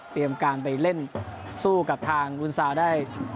เตรียมการไปเล่นสู้กับทางอุงสาร้ำได้